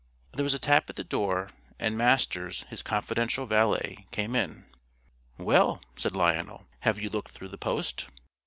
There was a tap at the door, and Masters, his confidential valet, came in. "Well," said Lionel, "have you looked through the post?"